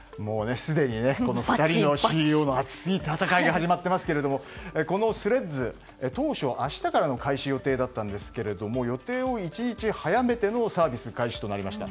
すでにこの２人のＣＥＯの熱い戦いが始まっていますがこのＴｈｒｅａｄｓ当初、明日からの開始予定だったんですが予定を１日早めてのサービス開始となりました。